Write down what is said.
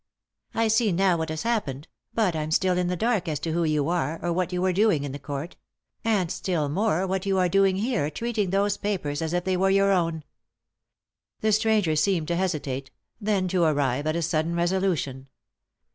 " I see now what has happened ; but I'm still in the dark as to who you are, or what you were doing in the court ; and still more what you are doing here treating those papers as if they were your own." The stranger seemed to hesitate ; then to arrive at a sudden resolution.